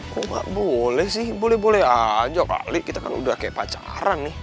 kok gak boleh sih boleh boleh aja kali kita kan udah kayak pacaran nih